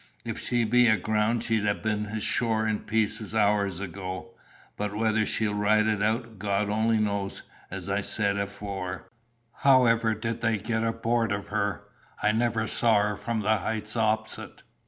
If she'd been aground, she'd ha' been ashore in pieces hours ago. But whether she'll ride it out, God only knows, as I said afore." "How ever did they get aboard of her? I never saw her from the heights opposite."